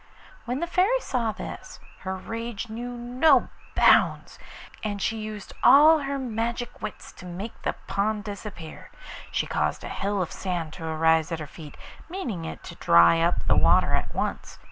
When the Fairy saw this her rage knew no bounds, and she used all her magic wits to make the pond disappear; she caused a hill of sand to arise at her feet, meaning it to dry up the water at once.